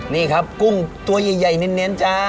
นี่ครับกุ้งตัวใหญ่เน้นจ้า